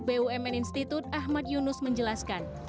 bumn institut ahmad yunus menjelaskan